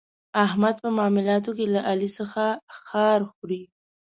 احمد په معاملاتو کې له علي څخه خار خوري.